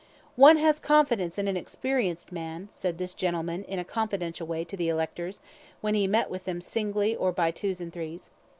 "One has confidence in an experienced man," said this gentleman, in a confidential way, to the electors, when he met them singly or by twos and threes.